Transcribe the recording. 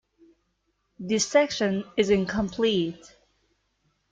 This section is incomplete.